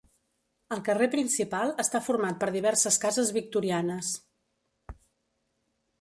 El carrer principal està format per diverses cases victorianes.